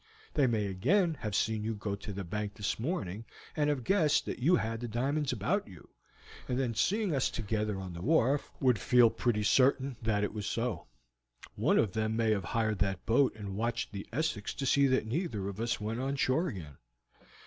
They may again have seen you go to the bank this morning and have guessed that you had the diamonds about you, and then seeing us together on the wharf would feel pretty certain that it was so. One of them may have hired that boat and watched the Essex to see that neither of us went on shore again."